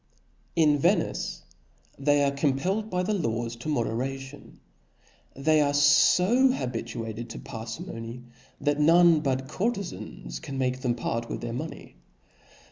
In Venice, they are compelled by the laws to moderation. They are fo habituated to parfimony^ that none but courtezans can make them part with their money.